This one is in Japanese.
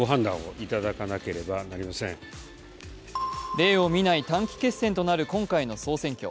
例を見ない短期決戦となる今回の総選挙。